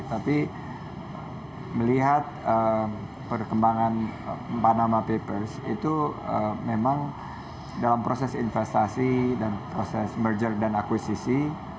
tapi melihat perkembangan panama papers itu memang dalam proses investasi dan proses merger dan akuisisi